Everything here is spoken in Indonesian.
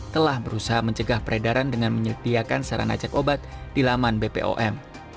telah berusaha mencegah peredaran dengan menyediakan sarana cek obat di laman bpom